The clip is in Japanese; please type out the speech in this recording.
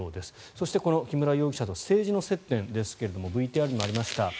そして木村容疑者と政治の接点ですがＶＴＲにもありました